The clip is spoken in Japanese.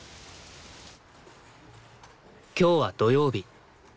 今日は土曜日。